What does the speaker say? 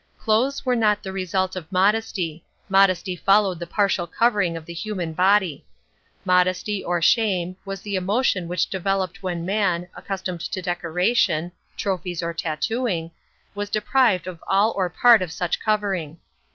Clothes were not the result of modesty; modesty followed the partial covering of the human body. Modesty, or shame, was the emotion which developed when man, accustomed to decoration trophies or tattooing was deprived of all or part of such covering.